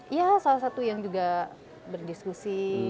iya salah satu yang juga berdiskusi